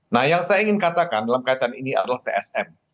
nah yang saya ingin katakan dalam kaitan ini adalah tsm